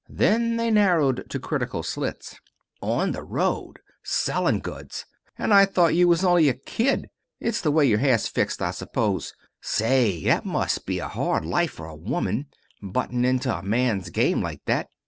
Then they narrowed to critical slits. "On the road! Sellin' goods! And I thought you was only a kid. It's the way your hair's fixed, I suppose. Say, that must be a hard life for a woman buttin' into a man's game like that."